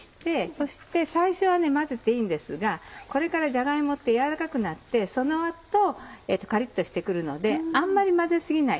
そして最初は混ぜていいんですがこれからじゃが芋って軟らかくなってその後カリっとして来るのであんまり混ぜ過ぎない